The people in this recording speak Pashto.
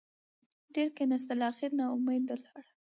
ډېره کېناستله اخېر نااوميده لاړه.